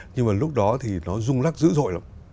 nhưng mà lúc đó thì nó rung lắc dữ dội lắm